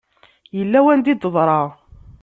Yella wanda i d-teḍra.